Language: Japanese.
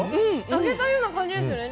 揚げたような感じですね。